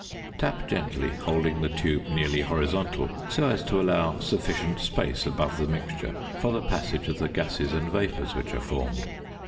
Tap gently, holding the tube nearly horizontal, so as to allow sufficient space above the mixture for the passage of the gases and vapours which are formed.